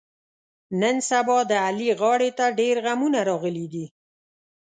نن سبا د علي غاړې ته ډېرغمونه راغلي دي.